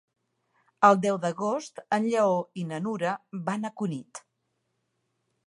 El deu d'agost en Lleó i na Nura van a Cunit.